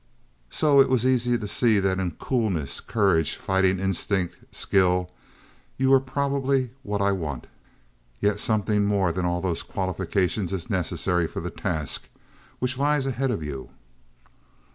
"So it was easy to see that in coolness, courage, fighting instinct, skill, you were probably what I want. Yet something more than all these qualifications is necessary for the task which lies ahead of you."